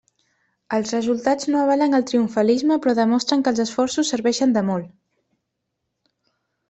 Els resultats no avalen el triomfalisme però demostren que els esforços serveixen de molt.